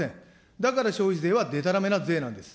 だから消費税はでたらめな税なんです。